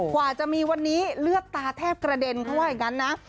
กว่าจะมีวันนี้เลือดตาแทบกระเด็นเขาว่าอย่างนั้นนะ